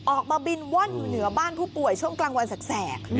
ออกมาบินว่อนอยู่เหนือบ้านผู้ป่วยช่วงกลางวันแสก